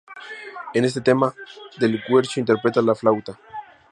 En este tema, Del Guercio interpreta la flauta.